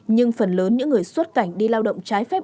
nhưng phần lớn những người xuất cảnh đi lao động trái phép